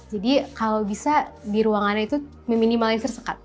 jadi kalau bisa di ruangannya itu meminimalisir sekat